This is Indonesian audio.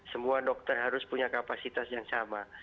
semua dokter harus punya kapasitas yang sama